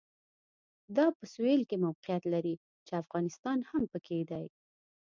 دا په سوېل کې موقعیت لري چې افغانستان هم پکې دی.